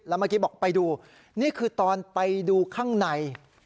เมื่อกี้บอกไปดูนี่คือตอนไปดูข้างใน